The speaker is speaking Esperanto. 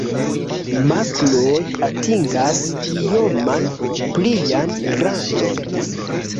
Maskloj atingas ioman plian grandon.